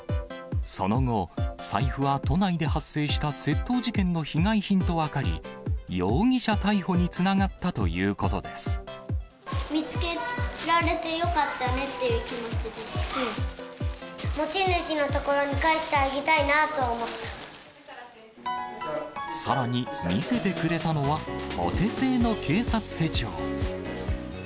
その後、財布は都内で発生した窃盗事件の被害品と分かり、容疑者逮捕につ見つけられてよかったねって持ち主のところに返してあげさらに、見せてくれたのは、お手製の警察手帳。